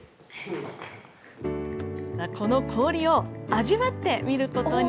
この氷を味わってみることに。